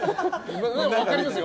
分かりますよ。